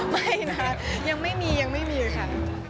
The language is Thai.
ไม่นะคะยังไม่มียังไม่มีค่ะ